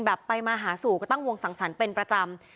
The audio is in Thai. ไปมาหาสู่ก็ตั้งวงสังสรรค์เป็นประจำ